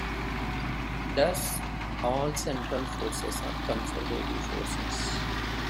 Thus, all central forces are conservative forces.